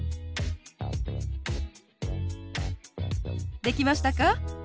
できましたか？